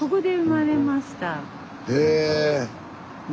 へえ。